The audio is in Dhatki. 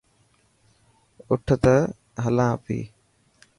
اوٺ ته هلان اپي.